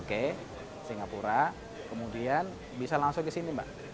oke singapura kemudian bisa langsung ke sini mbak